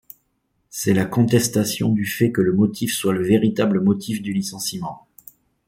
C'est la contestation du fait que le motif soit le véritable motif du licenciement.